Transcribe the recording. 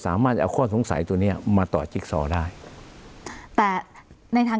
สามารถเอาข้อสงสัยตัวเนี้ยมาต่อจิ๊กซอได้แต่ในทาง